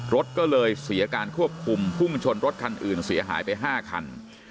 รถก็เลยเสียการควบคุมพุ่งชนรถคันอื่นเสียหายไป๕คัน